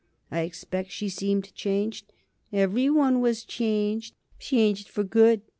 "I expect she seemed changed?" "Every one was changed. Changed for good.